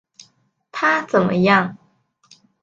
他怎么样？